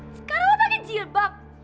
sekarang lo pake jilbab